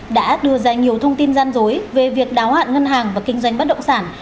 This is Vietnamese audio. đã đưa ra nhiều thông tin gian dối về việc đáo hạn ngân hàng và kinh doanh bất động sản